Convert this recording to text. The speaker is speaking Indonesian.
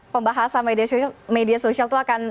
pembahasan media sosial itu akan